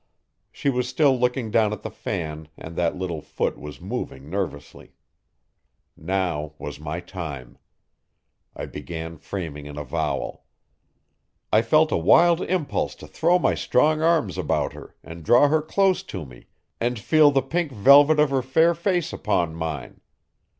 She was still looking down at the fan and that little foot was moving nervously. Now was my time. I began framing an avowal. I felt a wild impulse to throw my strong arms about her and draw her close to me and feel the pink velvet of her fair face upon mine.